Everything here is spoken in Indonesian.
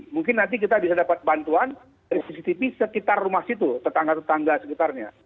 mungkin nanti kita bisa dapat bantuan dari cctv sekitar rumah situ tetangga tetangga sekitarnya